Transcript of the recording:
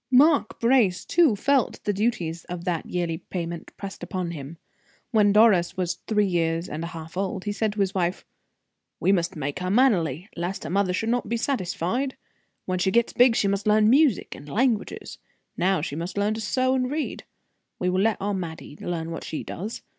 Mark Brace, too, felt the duties that the yearly payment pressed upon him. When Doris was three years and a half old, he said to his wife: "We must make her mannerly, lest her mother should not be satisfied. When she gets big she must learn music and languages; now she must learn to sew and to read. We will let our Mattie learn what she does.